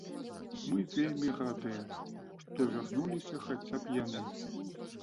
Мы вельмі радыя, што вярнуліся хаця б яны.